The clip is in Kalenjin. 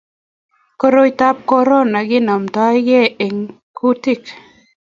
korot tab korona kenamtaigei eng kutik